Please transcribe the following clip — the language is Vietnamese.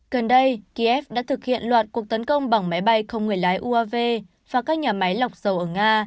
gần đây kiev đã thực hiện loạt cuộc tấn công bằng máy bay không người lái uav và các nhà máy lọc dầu ở nga